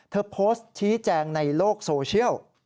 เธอโพสต์ชี้แจงในโลกโซเชียล